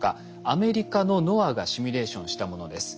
アメリカのＮＯＡＡがシミュレーションしたものです。